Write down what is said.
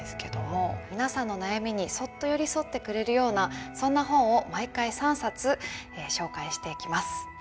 皆さんの悩みにそっと寄り添ってくれるようなそんな本を毎回３冊紹介していきます。